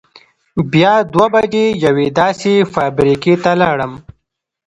بیا دوه بجې یوې داسې فابرېکې ته لاړم.